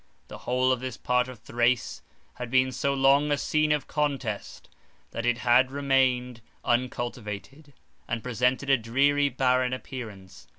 The whole of this part of Thrace had been so long a scene of contest, that it had remained uncultivated, and presented a dreary, barren appearance.